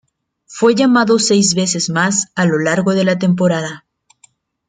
Fue llamado seis veces más a lo largo de la temporada.